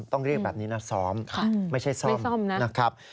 ต้องเรียกแบบนี้นะซ้อมไม่ใช่ซ่อมนะครับ